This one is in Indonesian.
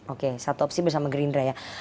oke satu opsi bersama gerindra ya